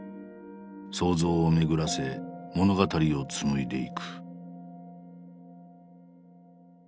想像を巡らせ物語を紡いでいく。